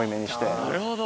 なるほど！